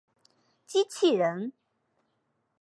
机器人。